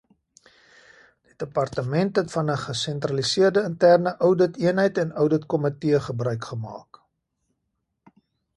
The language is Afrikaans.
Die Departement het van 'n gesentraliseerde interne ouditeenheid en ouditkomitee gebruik gemaak.